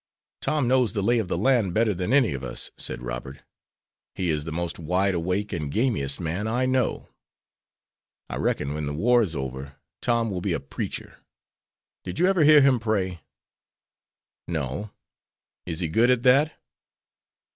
"Tom knows the lay of the land better than any of us," said Robert. "He is the most wide awake and gamiest man I know. I reckon when the war is over Tom will be a preacher. Did you ever hear him pray?" "No; is he good at that?"